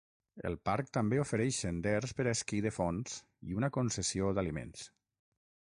El parc també ofereix senders per a esquí de fons i una concessió d'aliments.